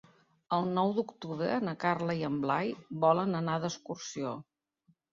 El nou d'octubre na Carla i en Blai volen anar d'excursió.